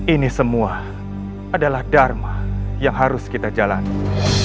ini semua adalah dharma yang harus kita jalani